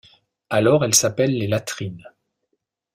Alors elle s’appelle les latrines.